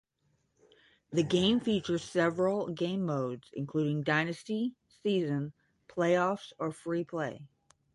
The game features several game modes, including Dynasty, Season, Playoffs, or Free Play.